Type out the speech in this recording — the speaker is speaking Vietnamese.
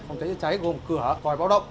phòng cháy cháy cháy gồm cửa tòi báo động